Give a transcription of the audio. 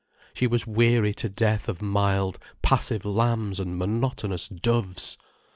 She was weary to death of mild, passive lambs and monotonous doves.